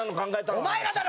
お前らだろ！